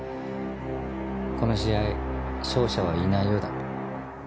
この試合勝者はいないようだ。